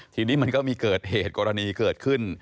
ทีนี้มันก็มีเกิดเหตุกรณีเกิดขึ้น